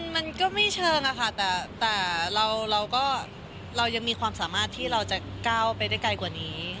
มันก็ไม่เชิงอะค่ะแต่เราก็เรายังมีความสามารถที่เราจะก้าวไปได้ไกลกว่านี้